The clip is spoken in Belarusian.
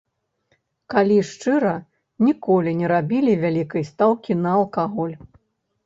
Калі шчыра, ніколі не рабілі вялікай стаўкі на алкаголь.